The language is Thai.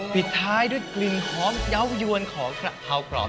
ปิดท้ายด้วยกลิ่นหอมเยาว์ยวนของกระเพรากรอบ